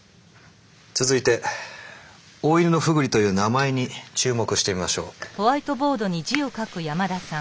続いてオオイヌノフグリという名前に注目してみましょう。